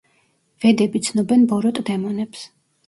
ვედები ცნობენ ბოროტ დემონებს.